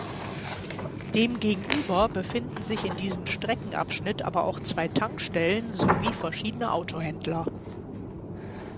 Demgegenüber befinden sich in diesem Streckenabschnitt aber auch zwei Tankstellen sowie verschiedene Autohändler.